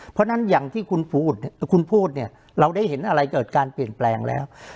เพราะฉะนั้นอย่างที่คุณพูดเนี่ยเราได้เห็นอะไรเกิดการเปลี่ยนแปลงแล้ว